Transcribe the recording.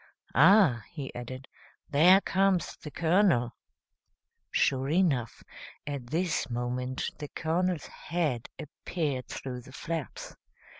Ah!" he added, "there comes the Colonel!" Sure enough, at this moment the Colonel's head appeared through the flaps.